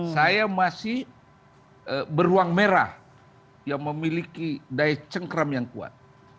saya masih beruang merah yang memiliki daya cengkram yang kuat